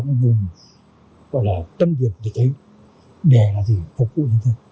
cái vùng gọi là tâm vực để thấy đề là gì phục vụ nhân dân